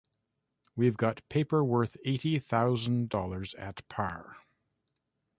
We've got paper worth eighty thousand dollars at par.